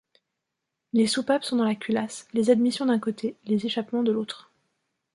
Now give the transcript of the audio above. Les soupapes sont dans la culasse, les admissions d'un côté, les échappements de l'autre.